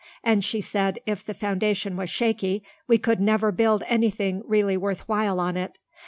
And she said if the foundation was shaky we could never build anything really worth while on it.